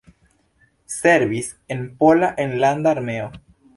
Servis en Pola Enlanda Armeo.